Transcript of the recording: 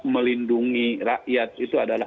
melindungi rakyat itu adalah